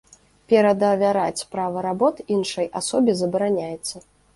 Перадавяраць права работ іншай асобе забараняецца.